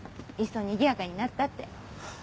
いっそうにぎやかになったって。